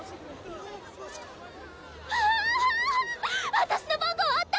私の番号あった！